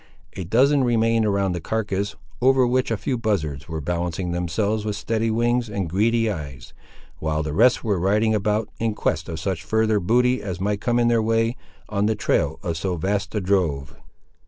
A dozen remained around the carcass, over which a few buzzards were balancing themselves with steady wings and greedy eyes, while the rest were riding about, in quest of such further booty as might come in their way, on the trail of so vast a drove.